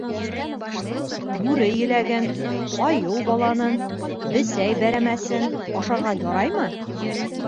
Бүре еләген, айыу баланын, бесәй бәрәмәсен ашарға яраймы?